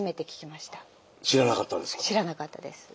知らなかったです。